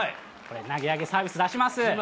投げ上げサービス出します。